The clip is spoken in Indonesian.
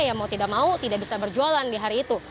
ya mau tidak mau tidak bisa berjualan di hari itu